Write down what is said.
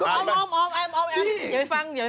พี่อาออมอย่าไปฟัง